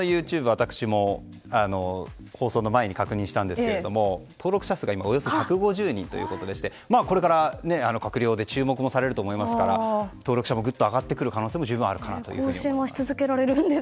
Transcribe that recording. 私も放送の前に確認したんですけれども登録者数がおよそ１５０人ということでこれから、閣僚で注目もされると思いますから登録者も、ぐっと上がってくる可能性もありますね。